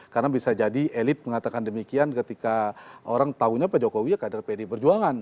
karena bisa jadi elit mengatakan demikian ketika orang taunya pak jokowi ya kadang kadang berjuangan